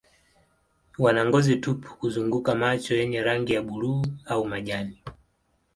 Wana ngozi tupu kuzunguka macho yenye rangi ya buluu au majani.